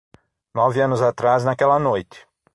Nove anos atrás naquela noite.